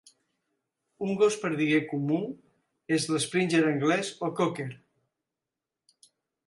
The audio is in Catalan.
Un gos perdiguer comú és l'springer anglés o cocker.